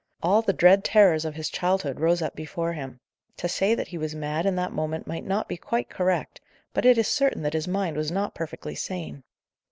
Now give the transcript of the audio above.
All the dread terrors of his childhood rose up before him. To say that he was mad in that moment might not be quite correct; but it is certain that his mind was not perfectly sane.